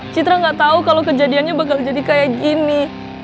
citra nggak tahu kalau kejadiannya bakal jadi kayak gini